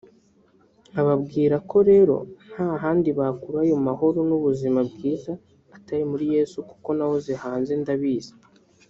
nkababwira ko rero nta handi bakura ayo mahoro n'ubuzima bwiza atari muri Yesu kuko nahoze hanze ndabizi